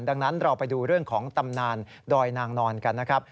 ดังนั้นเราไปดูเรื่องของตำนานดอยนางนอนกันนะครับ